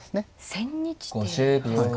千日手ですか？